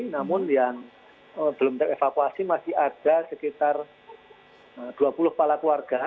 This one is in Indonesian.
namun yang belum terevakuasi masih ada sekitar dua puluh kepala keluarga